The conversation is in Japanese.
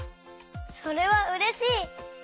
それはうれしい！